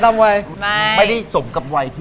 วัยไม่ได้สมกับวัยที่